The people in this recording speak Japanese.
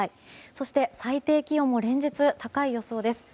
そして最低気温も連日高い予想です。